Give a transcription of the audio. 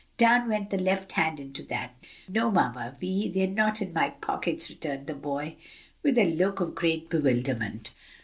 Down went the left hand into that. "No, Mamma Vi, they're not in my pockets," returned the boy, with a look of great bewilderment.